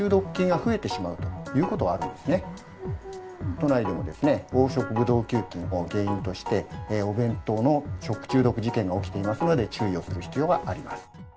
都内でもですね黄色ブドウ球菌を原因としてお弁当の食中毒事件が起きていますので注意をする必要があります。